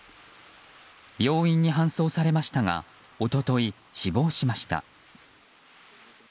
病院に搬送されましたが一昨日死亡しました。